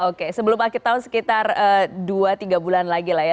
oke sebelum akhir tahun sekitar dua tiga bulan lagi lah ya